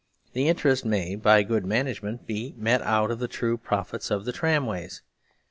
The "interest" may by good management be met out of the true profits of the tramways.